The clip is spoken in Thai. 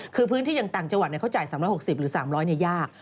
คือพื้นที่อย่างต่างจังหวัดเขาจ่าย๓๖๐หรือ๓๐๐ยาก